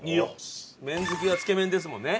麺好きはつけめんですもんね。